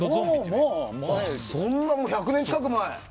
そんな１００年近く前？